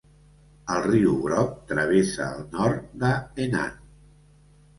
El riu Groc travessa el nord de Henan.